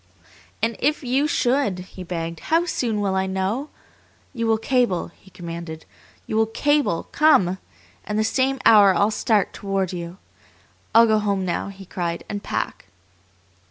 "And if you should!" he begged. "How soon will I know? You will cable," he commanded. "You will cable 'Come,' and the same hour I'll start toward you. I'll go home now," he cried, "and pack!"